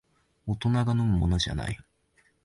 大人が飲むものじゃない